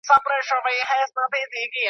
کله به مار کله زمری کله به دود سو پورته .